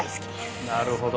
なるほど。